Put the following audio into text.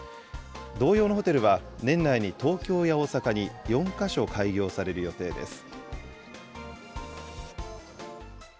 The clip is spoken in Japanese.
同様のホテルは、年内に東京や大阪に４か所開業される予定です。